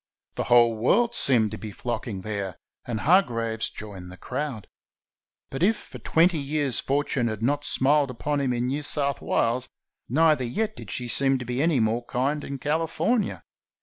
The whole world seemed to be flocking there, and Hargraves joined the crowd. But if for twenty years fortune had not smiled upon him in New South Wales, neither yet did she seem to be any more kind in CaHfornia.